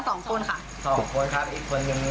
สองคนครับอีกคนนึง